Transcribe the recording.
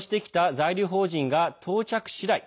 在留邦人が到着次第